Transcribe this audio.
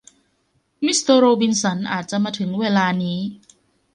มิสเตอร์โรบินสันอาจจะมาถึงเวลานี้